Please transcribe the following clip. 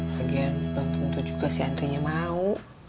lagian belum tentu juga si andri nya mau